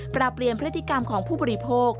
เปลี่ยนพฤติกรรมของผู้บริโภค